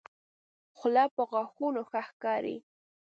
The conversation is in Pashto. خله په غاښو ښه ښکاري.